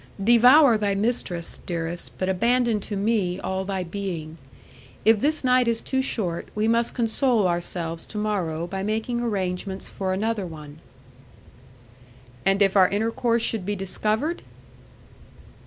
Devour thy mistress, dearest, but abandon to me all thy being. If this night is too short we must console ourselves to morrow by making arrangements for another one." "And if our intercourse should be discovered?"